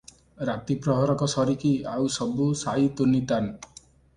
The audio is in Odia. ରାତି ପ୍ରହରକ ସରିକି ଆଉ ସବୁ ସାଇ ତୁନିତାନ ।